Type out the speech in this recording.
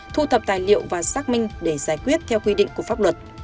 thu thập tài liệu và xác minh để giải quyết theo quy định của pháp luật